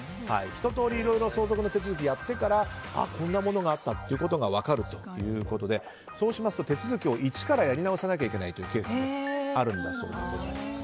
ひと通り相続の手続きをやってからこんなものがあったということが分かるということでそうしますと手続きを一からやり直さないといけないケースもあるそうです。